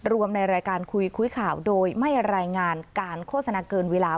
ในรายการคุยคุยข่าวโดยไม่รายงานการโฆษณาเกินเวลา